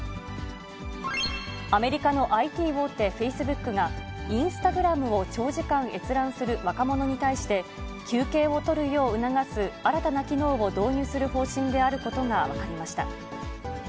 アメリカのＩＴ大手、フェイスブックが、インスタグラムを長時間閲覧する若者に対して、休憩を取るよう促す、新たな機能を導入する方針であることが分かりました。